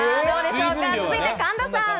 続いて、神田さん。